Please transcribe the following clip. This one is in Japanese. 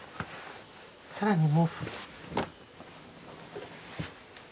更に毛布。